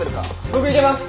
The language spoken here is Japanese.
僕いけます！